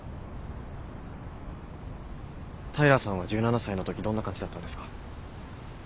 平さんは１７才の時どんな感じだったんですか？